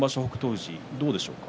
富士どうでしょうか。